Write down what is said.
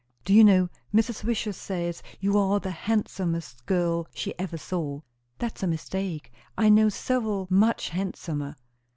Do you know, Mrs. Wishart says you are the handsomest girl she ever saw!" "That's a mistake. I know several much handsomer."